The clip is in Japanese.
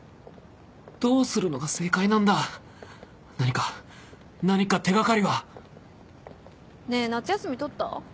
どうするのが正解なんだ⁉何か何か手がかりはねぇ夏休み取った？